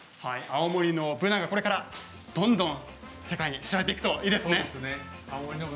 青森のブナがこれからどんどん世界に知られていくといいですね。